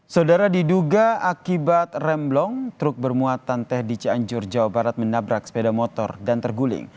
saudara diduga akibat remblong truk bermuatan teh di cianjur jawa barat menabrak sepeda motor dan terguling